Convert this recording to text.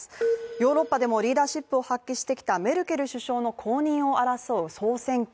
ヨーロッパでもリーダーシップを発揮してきたメルケル首相の後任を争う総選挙。